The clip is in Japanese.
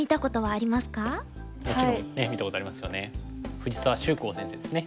藤沢秀行先生ですね。